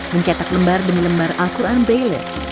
mencetak lembar demi lembar al quran braille